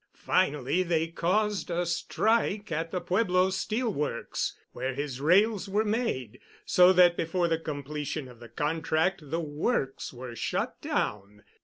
Finally they caused a strike at the Pueblo Steel Works, where his rails were made, so that before the completion of the contract the works were shut down.